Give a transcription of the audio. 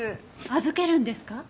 預けるんですか？